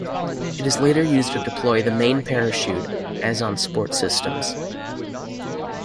It is later used to deploy the main parachute as on sports systems.